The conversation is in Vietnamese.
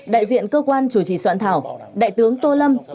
đại diện cơ quan chủ trì soạn thảo đại tướng tô lâm